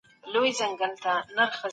پلار مي زیار ویست.